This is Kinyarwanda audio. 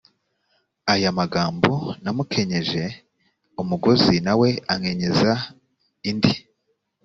aya magambo namukenyeje umugozi na we ankenyeza indi